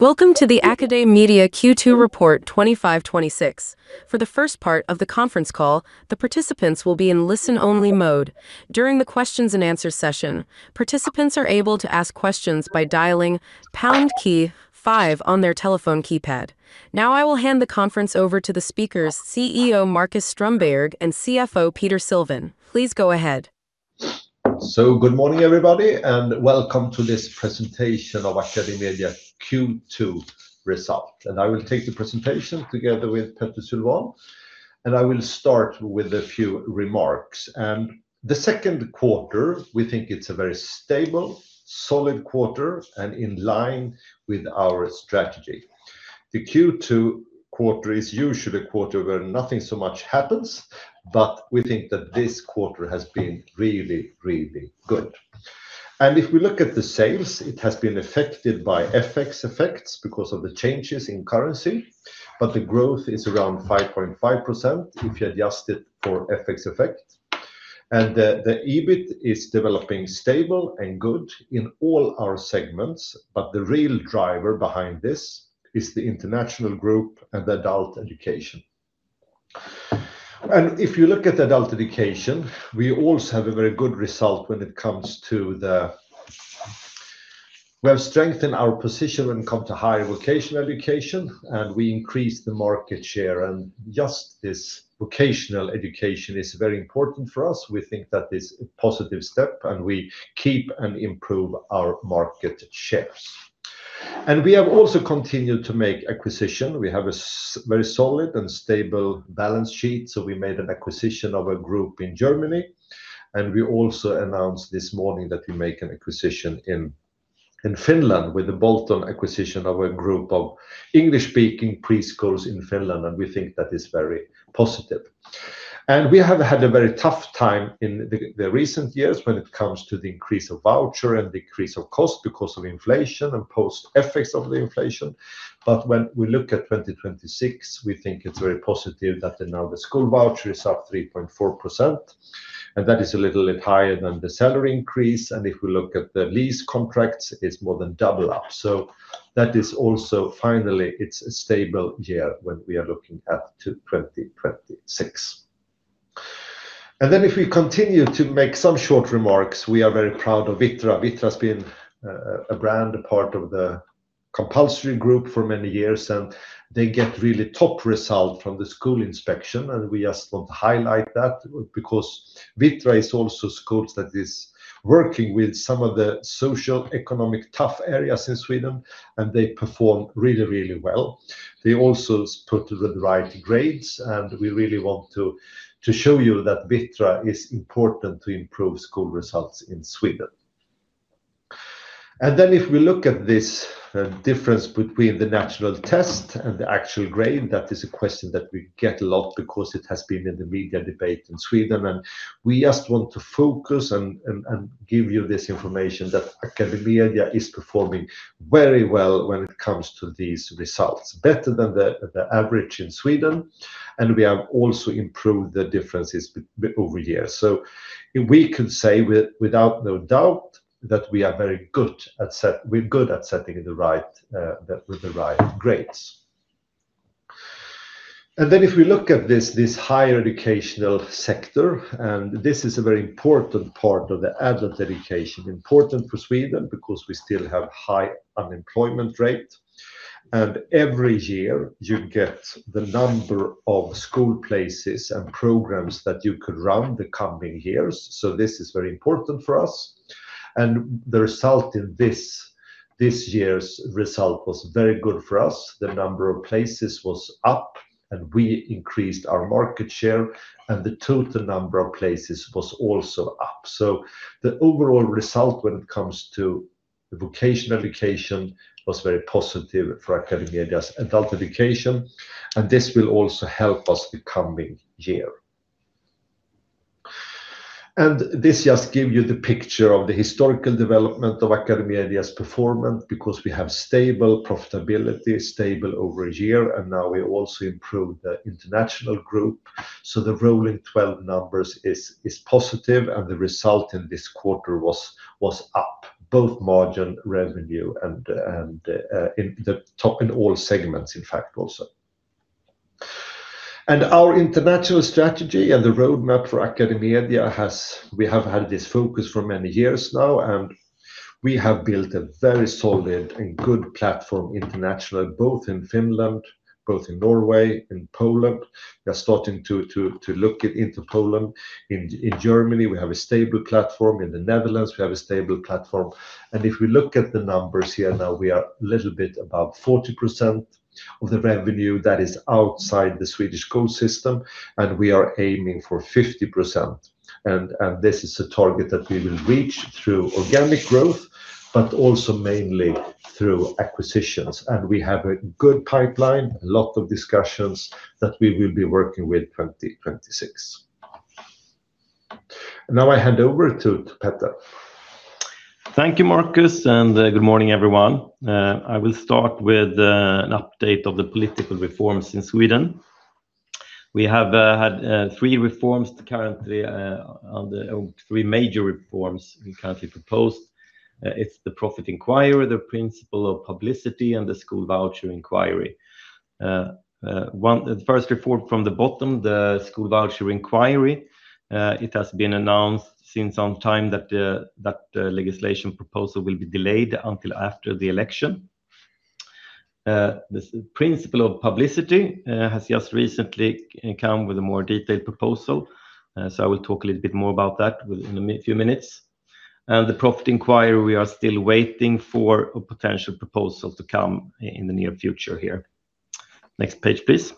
Welcome to the AcadeMedia Q2 Report 2026. For the first part of the conference call, the participants will be in listen-only mode. During the questions-and-answers session, participants are able to ask questions by dialing pound key five on their telephone keypad. Now I will hand the conference over to the speakers, CEO Marcus Strömberg and CFO Petter Sylvan. Please go ahead. Good morning everybody, and welcome to this presentation of AcadeMedia Q2 result. I will take the presentation together with Petter Sylvan, and I will start with a few remarks. The second quarter, we think it's a very stable, solid quarter, and in line with our strategy. The Q2 uncertain is usually a quarter where nothing so much happens, but we think that this quarter has been really, really good. If we look at the sales, it has been affected by FX effects because of the changes in currency, but the growth is around 5.5% if you adjust it for FX effects. The EBIT is developing stable and good in all our segments, but the real driver behind this is the international group and adult education. And if you look at adult education, we also have a very good result when it comes to, we have strengthened our position when it comes to higher vocational education, and we increased the market share. And just this vocational education is very important for us. We think that is a positive step, and we keep and improve our market shares. And we have also continued to make acquisition. We have a very solid and stable balance sheet, so we made an acquisition of a group in Germany. And we also announced this morning that we make an acquisition in Finland with the bolt-on acquisition of a group of English-speaking preschools in Finland, and we think that is very positive. We have had a very tough time in the recent years when it comes to the increase of voucher and decrease of cost because of inflation and post-effects of the inflation. But when we look at 2026, we think it's very positive that now the school voucher is up 3.4%, and that is a little bit higher than the salary increase. And if we look at the lease contracts, it's more than double up. So that is also finally, it's a stable year when we are looking at 2026. And then if we continue to make some short remarks, we are very proud of Vittra. Vittra has been a brand part of the compulsory group for many years, and they get really top result from the school inspection, and we just want to highlight that because Vittra is also schools that is working with some of the socio-economic tough areas in Sweden, and they perform really, really well. They also put the right grades, and we really want to show you that Vittra is important to improve school results in Sweden. Then if we look at this difference between the national test and the actual grade, that is a question that we get a lot because it has been in the media debate in Sweden. We just want to focus and give you this information that AcadeMedia is performing very well when it comes to these results, better than the average in Sweden, and we have also improved the differences over years. So we could say without no doubt that we are very good at setting the right grades. Then if we look at this higher educational sector, and this is a very important part of the adult education, important for Sweden because we still have high unemployment rate. Every year, you get the number of school places and programs that you could run the coming years, so this is very important for us. The result in this year's result was very good for us. The number of places was up, and we increased our market share, and the total number of places was also up. So the overall result when it comes to vocational education was very positive for AcadeMedia's adult education, and this will also help us the coming year. This just gives you the picture of the historical development of AcadeMedia's performance because we have stable profitability, stable over a year, and now we also improved the international group. The rolling 12 numbers is positive, and the result in this quarter was up, both margin, revenue, and in all segments, in fact, also. Our international strategy and the roadmap for AcadeMedia, we have had this focus for many years now, and we have built a very solid and good platform internationally, both in Finland, both in Norway, in Poland. We are starting to look into Poland. In Germany, we have a stable platform. In the Netherlands, we have a stable platform. If we look at the numbers here now, we are a little bit above 40% of the revenue that is outside the Swedish school system, and we are aiming for 50%. This is a target that we will reach through organic growth, but also mainly through acquisitions. We have a good pipeline, a lot of discussions that we will be working with 2026. Now I hand over to Petter. Thank you, Marcus, and good morning, everyone. I will start with an update of the political reforms in Sweden. We have had three reforms currently on the three major reforms we currently proposed. It's the Profit Inquiry, the Principle of Publicity, and the School Voucher Inquiry. The first reform from the bottom, the School Voucher Inquiry, it has been announced since some time that the legislation proposal will be delayed until after the election. The Principle of Publicity has just recently come with a more detailed proposal, so I will talk a little bit more about that in a few minutes. The Profit Inquiry, we are still waiting for a potential proposal to come in the near future here. Next page, please.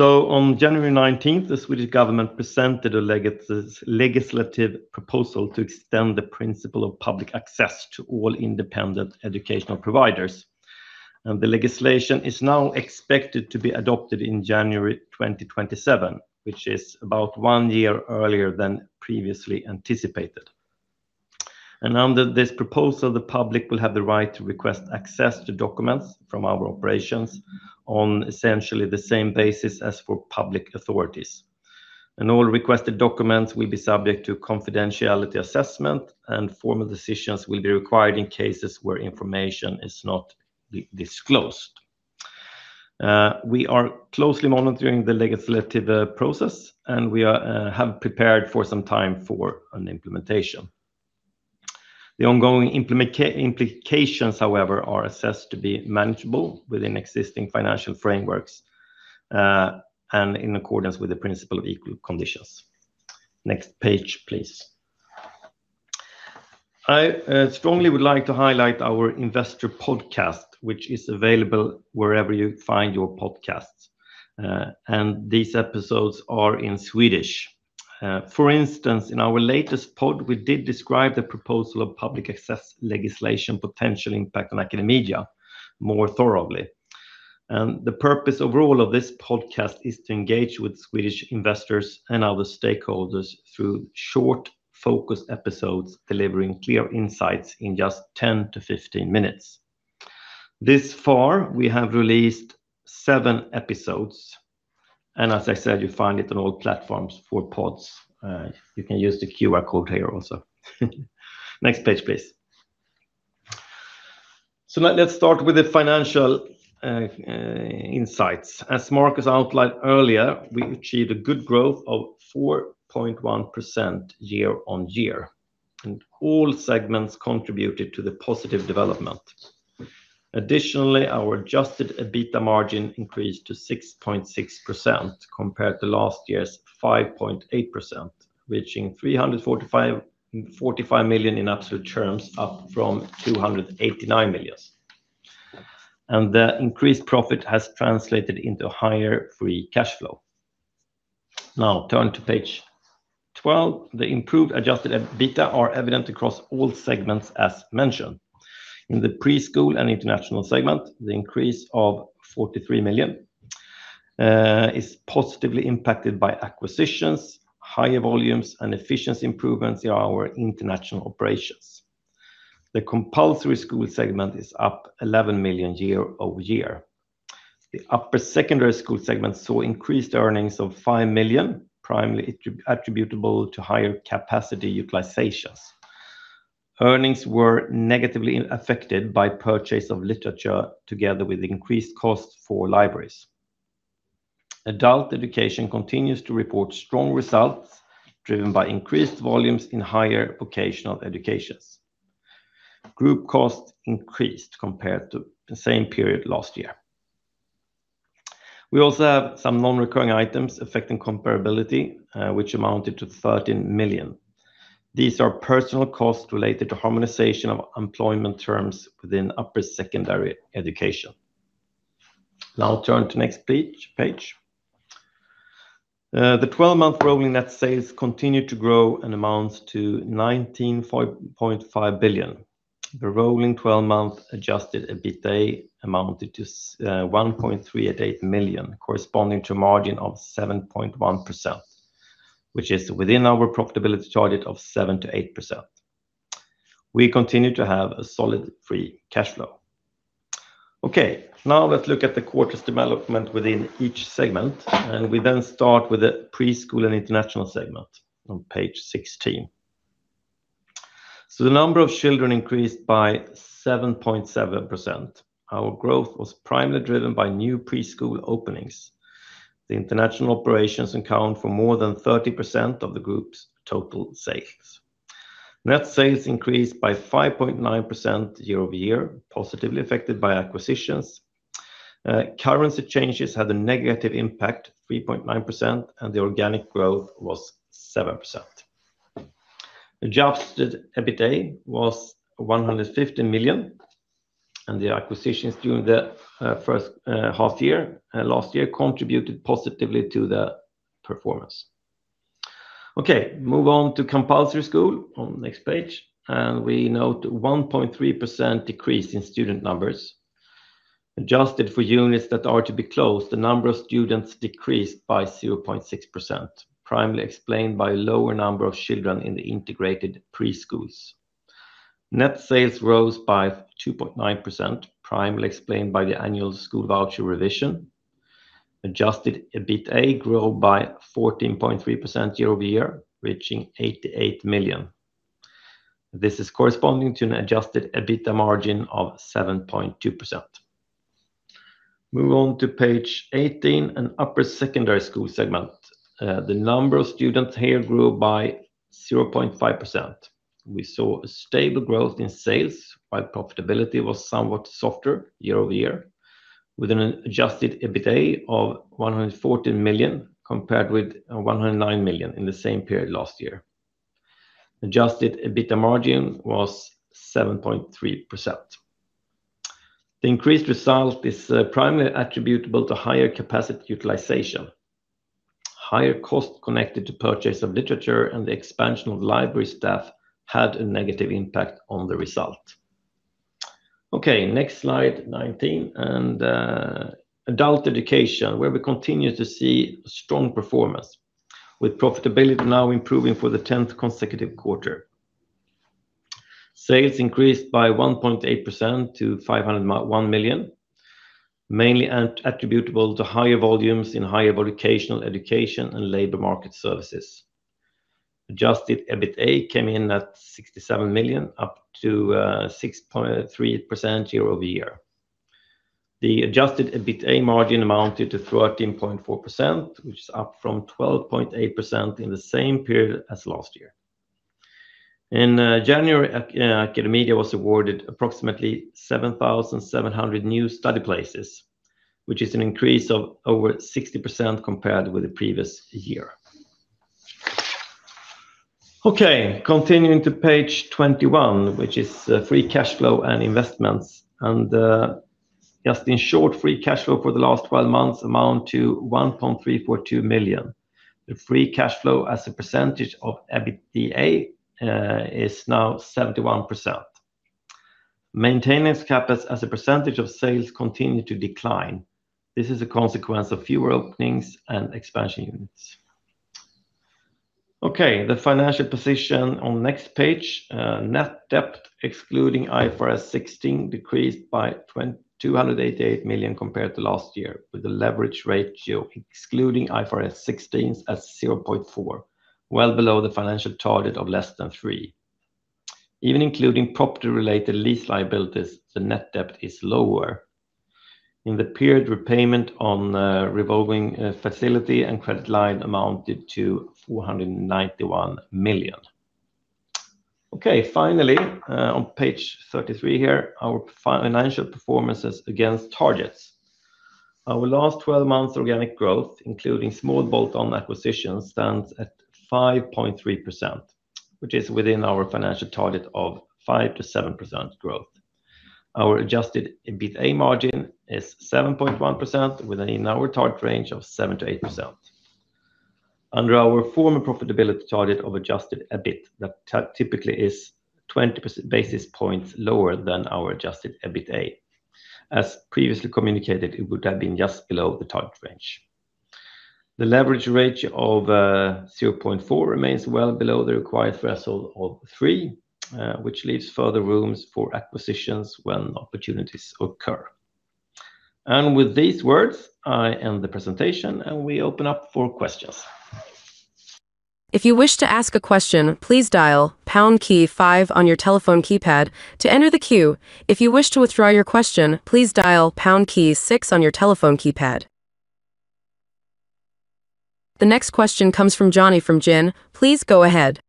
On January 19th, the Swedish government presented a legislative proposal to extend the Principle of Publicity to all independent educational providers. The legislation is now expected to be adopted in January 2027, which is about one year earlier than previously anticipated. Under this proposal, the public will have the right to request access to documents from our operations on essentially the same basis as for public authorities. All requested documents will be subject to confidentiality assessment, and formal decisions will be required in cases where information is not disclosed. We are closely monitoring the legislative process, and we have prepared for some time for an implementation. The ongoing implications, however, are assessed to be manageable within existing financial frameworks and in accordance with the Principle of Equal Conditions. Next page, please. I strongly would like to highlight our investor podcast, which is available wherever you find your podcasts. These episodes are in Swedish. For instance, in our latest pod, we did describe the Principle of Publicity potential impact on AcadeMedia more thoroughly. The purpose overall of this podcast is to engage with Swedish investors and other stakeholders through short, focused episodes delivering clear insights in just 10-15 minutes. Thus far, we have released seven episodes, and as I said, you find it on all platforms for pods. You can use the QR code here also. Next page, please. Let's start with the financial insights. As Marcus outlined earlier, we achieved a good growth of 4.1% year-on-year, and all segments contributed to the positive development. Additionally, our adjusted EBITDA margin increased to 6.6% compared to last year's 5.8%, reaching 345 million in absolute terms, up from 289 million. The increased profit has translated into higher free cash flow. Now turn to page 12. The improved adjusted EBITDA are evident across all segments, as mentioned. In the preschool and international segment, the increase of 43 million is positively impacted by acquisitions, higher volumes, and efficiency improvements in our international operations. The compulsory school segment is up 11 million year-over-year. The upper secondary school segment saw increased earnings of 5 million, primarily attributable to higher capacity utilizations. Earnings were negatively affected by purchase of literature together with increased costs for libraries. Adult education continues to report strong results driven by increased volumes in higher vocational educations. Group costs increased compared to the same period last year. We also have some non-recurring items affecting comparability, which amounted to 13 million. These are personal costs related to harmonization of employment terms within upper secondary education. Now turn to next page. The 12-month rolling net sales continue to grow and amount to 19.5 billion. The rolling 12-month adjusted EBITDA amounted to 1.388 million, corresponding to a margin of 7.1%, which is within our profitability target of 7%-8%. We continue to have a solid free cash flow. Okay, now let's look at the quarter's development within each segment, and we then start with the preschool and international segment on page 16. So the number of children increased by 7.7%. Our growth was primarily driven by new preschool openings. The international operations account for more than 30% of the group's total sales. Net sales increased by 5.9% year-over-year, positively affected by acquisitions. Currency changes had a negative impact, 3.9%, and the organic growth was 7%. The adjusted EBITDA was 150 million, and the acquisitions during the first half year last year contributed positively to the performance. Okay, move on to Compulsory school on the next page, and we note a 1.3% decrease in student numbers. Adjusted for units that are to be closed, the number of students decreased by 0.6%, primarily explained by a lower number of children in the integrated preschools. Net sales rose by 2.9%, primarily explained by the annual school voucher revision. Adjusted EBITDA grew by 14.3% year-over-year, reaching 88 million. This is corresponding to an adjusted EBITDA margin of 7.2%. Move on to page 18, an Upper secondary school segment. The number of students here grew by 0.5%. We saw a stable growth in sales, while profitability was somewhat softer year-over-year, with an adjusted EBITDA of 114 million compared with 109 million in the same period last year. Adjusted EBITDA margin was 7.3%. The increased result is primarily attributable to higher capacity utilization. Higher costs connected to purchase of literature and the expansion of library staff had a negative impact on the result. Okay, next slide, 19, and adult education, where we continue to see strong performance, with profitability now improving for the 10th consecutive quarter. Sales increased by 1.8% to 501 million, mainly attributable to higher volumes in higher vocational education and labor market services. Adjusted EBITDA came in at 67 million, up 6.3% year-over-year. The adjusted EBITDA margin amounted to 13.4%, which is up from 12.8% in the same period as last year. In January, AcadeMedia was awarded approximately 7,700 new study places, which is an increase of over 60% compared with the previous year. Okay, continuing to page 21, which is free cash flow and investments. And just in short, free cash flow for the last 12 months amounted to 1.342 million. The free cash flow as a percentage of EBITDA is now 71%. Maintenance cap as a percentage of sales continued to decline. This is a consequence of fewer openings and expansion units. Okay, the financial position on the next page, net debt excluding IFRS 16 decreased by 288 million compared to last year, with the leverage ratio excluding IFRS 16 as 0.4, well below the financial target of less than three. Even including property-related lease liabilities, the net debt is lower. In the period, repayment on revolving facility and credit line amounted to 491 million. Okay, finally, on page 33 here, our financial performances against targets. Our last 12 months' organic growth, including small bolt-on acquisitions, stands at 5.3%, which is within our financial target of 5%-7% growth. Our adjusted EBITDA margin is 7.1%, within our target range of 7%-8%. Under our former profitability target of adjusted EBIT, that typically is 20 basis points lower than our adjusted EBITDA. As previously communicated, it would have been just below the target range. The leverage ratio of 0.4 remains well below the required threshold of three, which leaves further rooms for acquisitions when opportunities occur. With these words, I end the presentation, and we open up for questions. If you wish to ask a question, please dial pound key five on your telephone keypad to enter the queue. If you wish to withdraw your question, please dial pound key six on your telephone keypad. The next question comes from Uncertain. Please go ahead.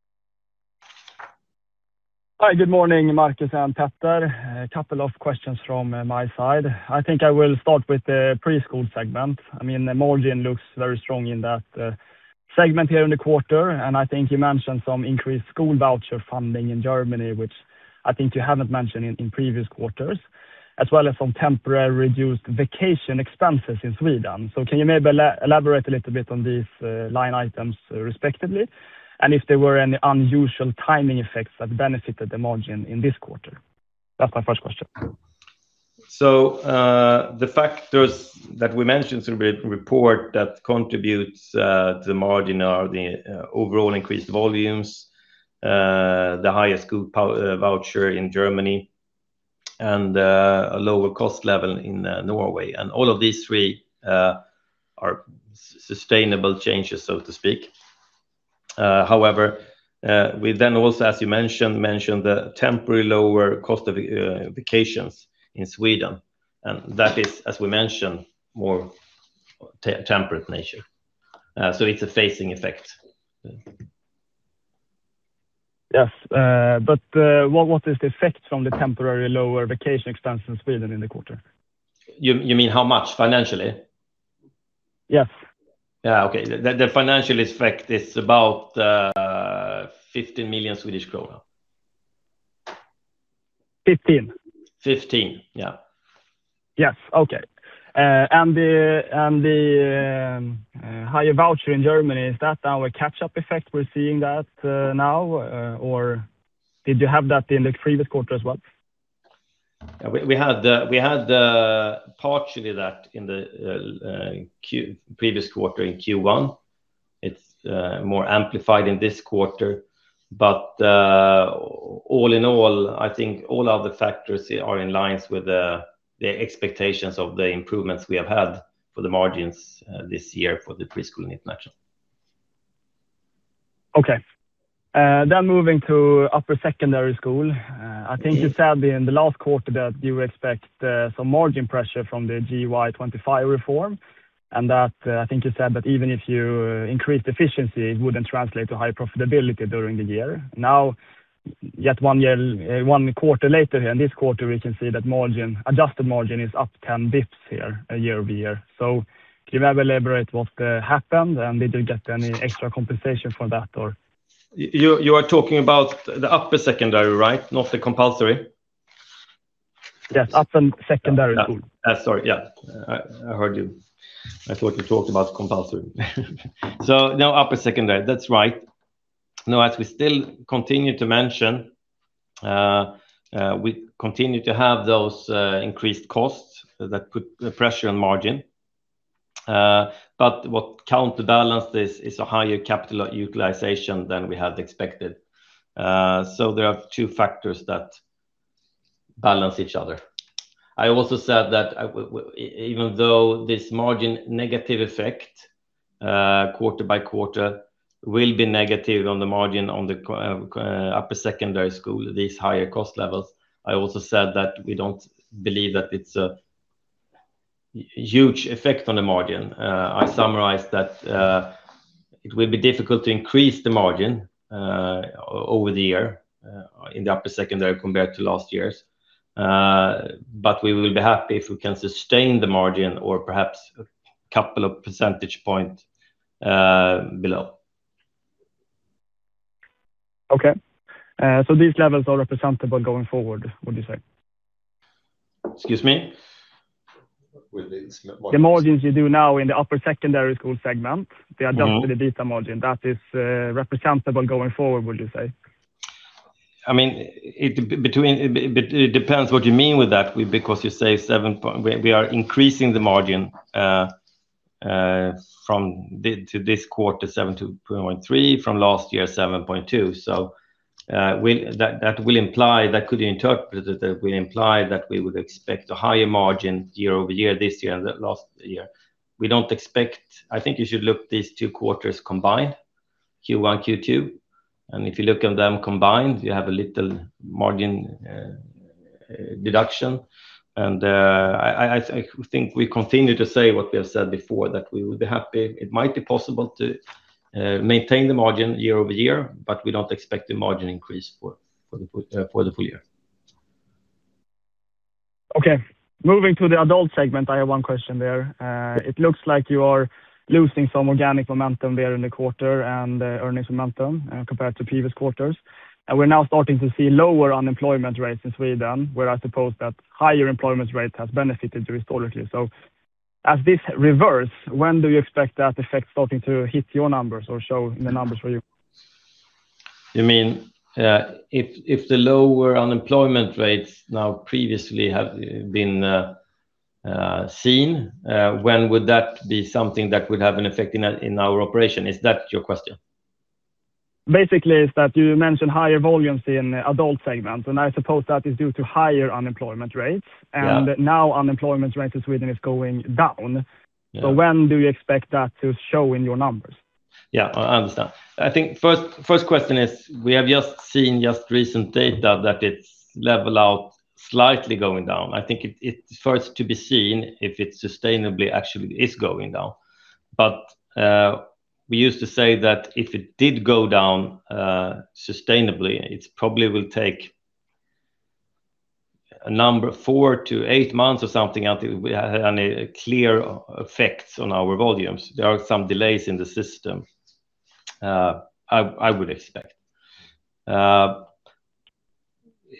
Hi, good morning, Marcus and Petter. Couple of questions from my side. I think I will start with the preschool segment. I mean, the margin looks very strong in that segment here in the quarter, and I think you mentioned some increased school voucher funding in Germany, which I think you haven't mentioned in previous quarters, as well as some temporary reduced vacation expenses in Sweden. So can you maybe elaborate a little bit on these line items respectively, and if there were any unusual timing effects that benefited the margin in this quarter? That's my first question. So the factors that we mentioned through the report that contribute to the margin are the overall increased volumes, the highest school voucher in Germany, and a lower cost level in Norway. And all of these three are sustainable changes, so to speak. However, we then also, as you mentioned, mentioned the temporary lower cost of vacations in Sweden. And that is, as we mentioned, more temporary in nature. So it's a phasing effect. Yes. But what is the effect from the temporary lower vacation expenses in Sweden in the quarter? You mean how much financially? Yes. Yeah, okay. The financial effect is about SEK 15 million. 15. 15, yeah. Yes, okay. The higher voucher in Germany, is that our catch-up effect? We're seeing that now, or did you have that in the previous quarter as well? Yeah, we had partially that in the previous quarter, in Q1. It's more amplified in this quarter. But all in all, I think all other factors are in line with the expectations of the improvements we have had for the margins this year for the preschool and international. Okay. Then moving to upper secondary school, I think you said in the last quarter that you would expect some margin pressure from the GY-25 reform, and that I think you said that even if you increased efficiency, it wouldn't translate to high profitability during the year. Now, yet one quarter later here, in this quarter, we can see that adjusted margin is up 10 basis points here year-over-year. So can you maybe elaborate what happened, and did you get any extra compensation for that, or? You are talking about the upper secondary, right, not the compulsory? Yes, upper secondary school. Sorry, yeah. I heard you. I thought you talked about compulsory. So no upper secondary. That's right. Now, as we still continue to mention, we continue to have those increased costs that put pressure on margin. But what counterbalances this is a higher capital utilization than we had expected. So there are two factors that balance each other. I also said that even though this margin negative effect quarter-by-quarter will be negative on the margin on the upper secondary school, these higher cost levels, I also said that we don't believe that it's a huge effect on the margin. I summarized that it will be difficult to increase the margin over the year in the upper secondary compared to last year's. But we will be happy if we can sustain the margin or perhaps a couple of percentage points below. Okay. So these levels are representable going forward, would you say? Excuse me? The margins you do now in the upper secondary school segment, the adjusted EBITDA margin, that is representative going forward, would you say? I mean, it depends what you mean with that, because you say we are increasing the margin to this quarter, 7.3, from last year, 7.2. So that could you interpret it that would imply that we would expect a higher margin year-over-year this year and last year. We don't expect I think you should look at these two quarters combined, Q1, Q2. And if you look at them combined, you have a little margin deduction. And I think we continue to say what we have said before, that we would be happy. It might be possible to maintain the margin year-over-year, but we don't expect a margin increase for the full year. Okay. Moving to the adult segment, I have one question there. It looks like you are losing some organic momentum there in the quarter and earnings momentum compared to previous quarters. We're now starting to see lower unemployment rates in Sweden, where I suppose that higher employment rate has benefited you historically. As this reverses, when do you expect that effect starting to hit your numbers or show in the numbers for you? You mean if the lower unemployment rates now previously have been seen, when would that be something that would have an effect in our operation? Is that your question? Basically, it's that you mentioned higher volumes in the adult segment, and I suppose that is due to higher unemployment rates. And now unemployment rates in Sweden are going down. So when do you expect that to show in your numbers? Yeah, I understand. I think first question is, we have just seen just recent data that it's leveled out slightly going down. I think it's first to be seen if it sustainably actually is going down. But we used to say that if it did go down sustainably, it probably will take a number, four to eight months or something until we have any clear effects on our volumes. There are some delays in the system, I would expect.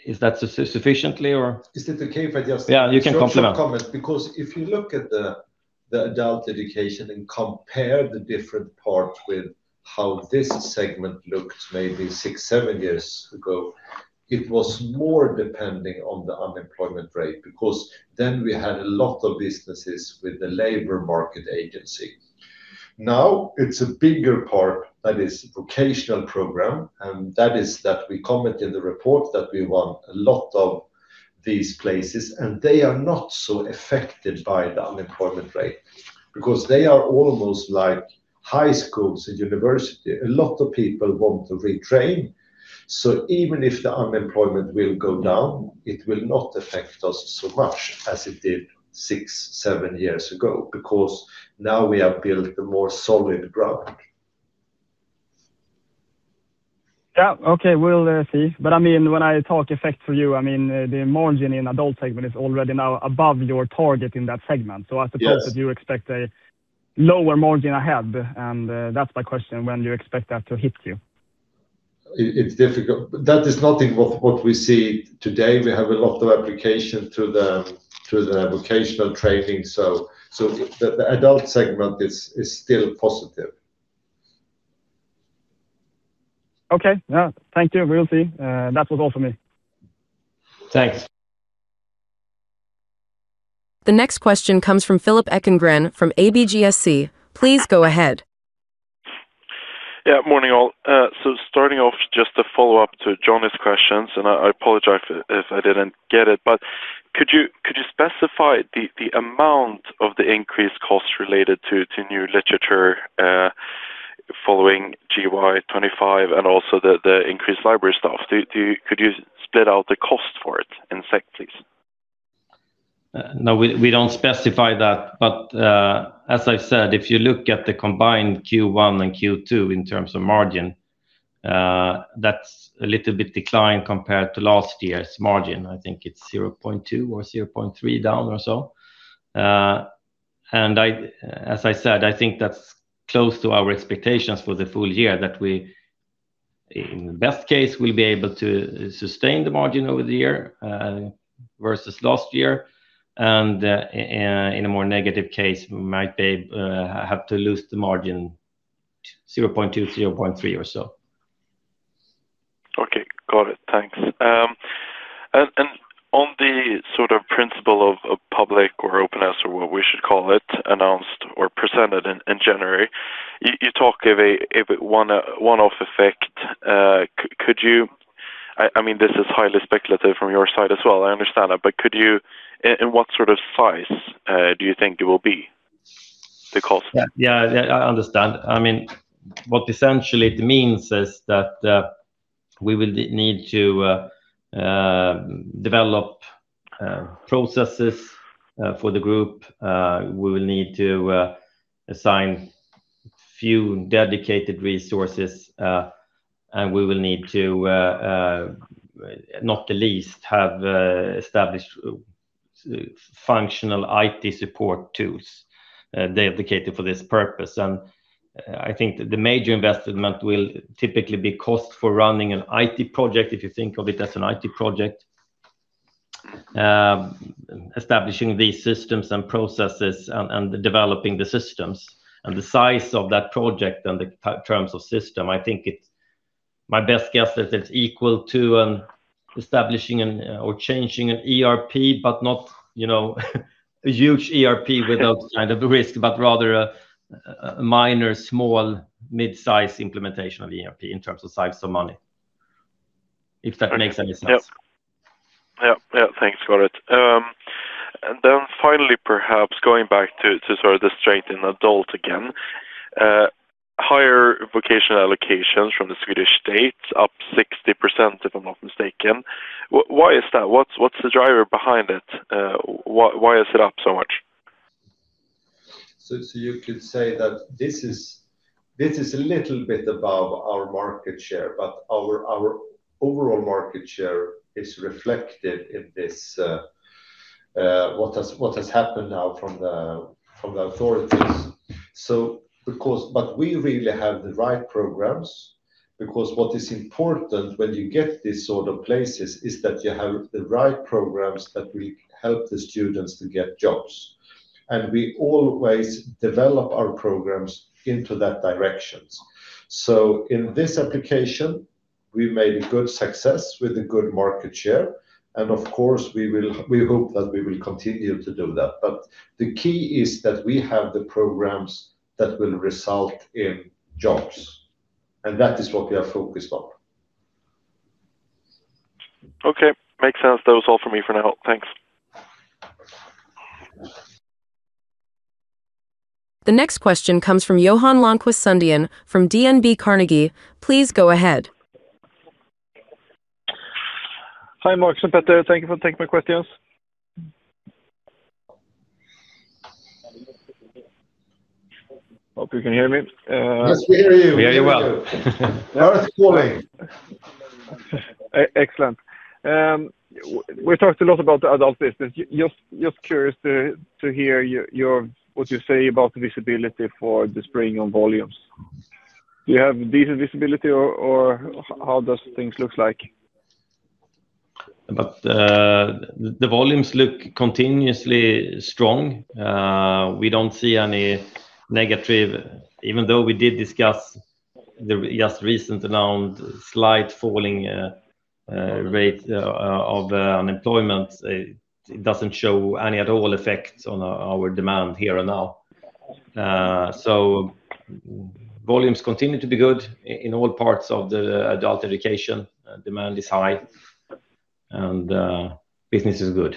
Is that sufficient, or? Is it okay if I just? Yeah, you can complement. Just a comment, because if you look at the adult education and compare the different parts with how this segment looked maybe six, seven years ago, it was more depending on the unemployment rate because then we had a lot of businesses with the labor market agency. Now, it's a bigger part that is vocational program, and that is that we comment in the report that we won a lot of these places, and they are not so affected by the unemployment rate because they are almost like high schools and university. A lot of people want to retrain. So even if the unemployment will go down, it will not affect us so much as it did six, seven years ago because now we have built a more solid ground. Yeah, okay, we'll see. But I mean, when I talk effect for you, I mean, the margin in adult segment is already now above your target in that segment. So I suppose that you expect a lower margin ahead, and that's my question, when you expect that to hit you. It's difficult. That is nothing like what we see today. We have a lot of applications through the vocational training. So the adult segment is still positive. Okay, yeah. Thank you. We'll see. That was all from me. Thanks. The next question comes from Philip Ekengren from ABG Sundal Collier. Please go ahead. Yeah, morning, all. So starting off just to follow up to Johan's questions, and I apologize if I didn't get it. But could you specify the amount of the increased costs related to new literature following GY-25 and also the increased library stuff? Could you split out the cost for it in SEK, please? No, we don't specify that. But as I said, if you look at the combined Q1 and Q2 in terms of margin, that's a little bit declined compared to last year's margin. I think it's 0.2 or 0.3 down or so. And as I said, I think that's close to our expectations for the full year, that we, in the best case, will be able to sustain the margin over the year versus last year. And in a more negative case, we might have to lose the margin 0.2, 0.3 or so. Okay, got it. Thanks. And on the sort of principle of public or openness, or what we should call it, announced or presented in January, you talk of a one-off effect. I mean, this is highly speculative from your side as well. I understand that, but in what sort of size do you think it will be, the cost? Yeah, yeah, I understand. I mean, what essentially it means is that we will need to develop processes for the group. We will need to assign a few dedicated resources, and we will need to, not the least, have established functional IT support tools dedicated for this purpose. And I think the major investment will typically be cost for running an IT project, if you think of it as an IT project, establishing these systems and processes and developing the systems. And the size of that project and the terms of system, I think my best guess is it's equal to establishing or changing an ERP, but not a huge ERP without kind of risk, but rather a minor, small, mid-size implementation of ERP in terms of size of money, if that makes any sense. Yeah, yeah, yeah, thanks, got it. And then finally, perhaps going back to sort of the straight in adult again, higher vocational allocations from the Swedish state, up 60%, if I'm not mistaken. Why is that? What's the driver behind it? Why is it up so much? So you could say that this is a little bit above our market share, but our overall market share is reflected in what has happened now from the authorities. But we really have the right programs because what is important when you get these sort of places is that you have the right programs that will help the students to get jobs. And we always develop our programs into that direction. So in this application, we made a good success with a good market share. And of course, we hope that we will continue to do that. But the key is that we have the programs that will result in jobs. And that is what we are focused on. Okay, makes sense. That was all for me for now. Thanks. The next question comes from Johan Lundqvist Sundén from DNB Carnegie. Please go ahead. Hi, Marcus and Petter. Thank you for taking my questions. Hope you can hear me. Yes, we hear you. We hear you well. Earth calling. Excellent. We talked a lot about the adult business. Just curious to hear what you say about the visibility for the spring on volumes. Do you have decent visibility, or how does things look like? The volumes look continuously strong. We don't see any negative even though we did discuss the just recently announced slight falling rate of unemployment. It doesn't show any at all effect on our demand here and now. Volumes continue to be good in all parts of the adult education. Demand is high, and business is good.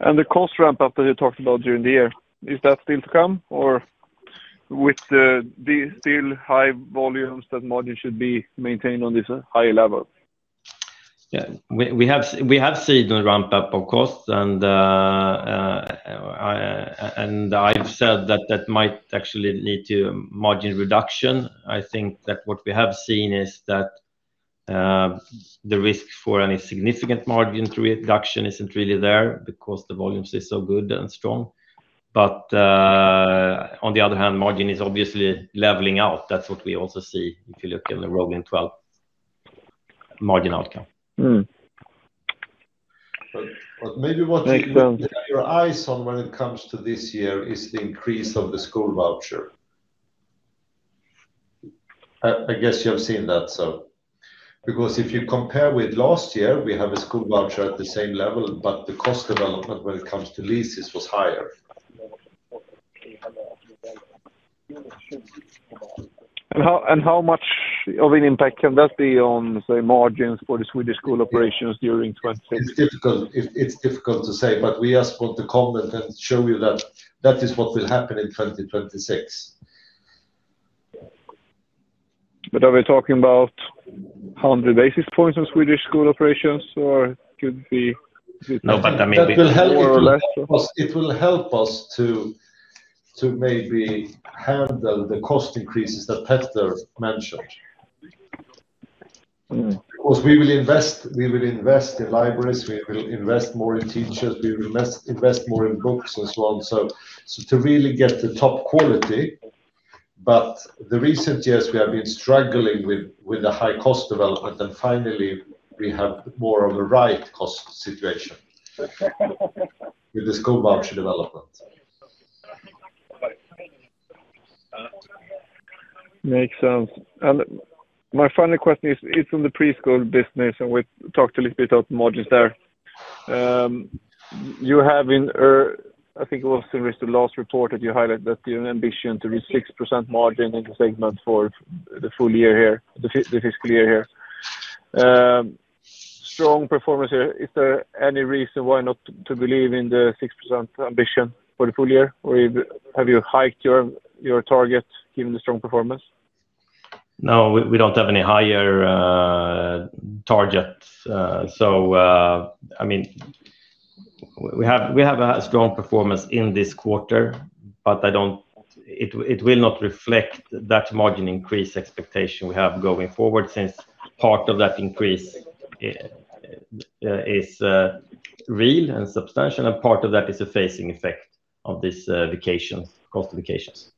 The cost ramp-up that you talked about during the year, is that still to come, or with the still high volumes, that margin should be maintained on this high level? Yeah, we have seen a ramp-up of costs, and I've said that that might actually lead to margin reduction. I think that what we have seen is that the risk for any significant margin reduction isn't really there because the volumes are so good and strong. But on the other hand, margin is obviously leveling out. That's what we also see if you look in the rolling 12 margin outcome. But maybe what you keep your eyes on when it comes to this year is the increase of the school voucher. I guess you have seen that, so. Because if you compare with last year, we have a school voucher at the same level, but the cost development when it comes to leases was higher. How much of an impact can that be on, say, margins for the Swedish school operations during 2026? It's difficult to say, but we just want to comment and show you that that is what will happen in 2026. But are we talking about 100 basis points on Swedish school operations, or could it be? No, but I mean. That will help us more or less, or? It will help us to maybe handle the cost increases that Petter mentioned. Because we will invest in libraries. We will invest more in teachers. We will invest more in books and so on. So to really get the top quality. But the recent years, we have been struggling with the high cost development, and finally, we have more of a right cost situation with the school voucher development. Makes sense. And my final question is, it's on the preschool business, and we talked a little bit about margins there. You have in, I think it was in the last report that you highlight that you have an ambition to reach 6% margin in the segment for the full year here, the fiscal year here. Strong performance here. Is there any reason why not to believe in the 6% ambition for the full year, or have you hiked your target given the strong performance? No, we don't have any higher target. So I mean, we have a strong performance in this quarter, but it will not reflect that margin increase expectation we have going forward since part of that increase is real and substantial, and part of that is a phasing effect of these cost of vacations.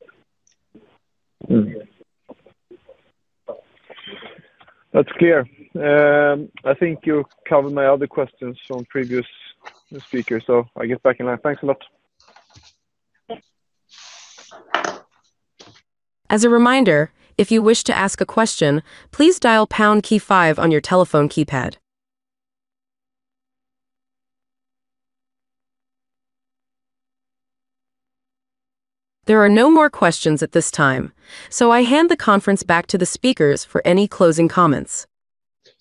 That's clear. I think you covered my other questions from previous speakers, so I'll get back in line. Thanks a lot. As a reminder, if you wish to ask a question, please dial pound key five on your telephone keypad. There are no more questions at this time, so I hand the conference back to the speakers for any closing comments.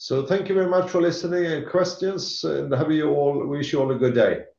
Thank you very much for listening and questions, and we wish you all a good day. Bye-bye.